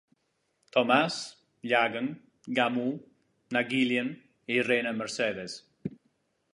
Tomas, Ilagan, Gamu, Naguilian i Reina Mercedes.